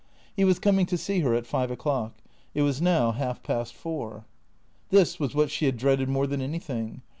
He was coming to see her at five o'clock. It was now half past four. This was what she had dreaded more than anything.